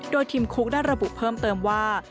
โดยทีมคุกได้ระบุเพิ่มเติมว่า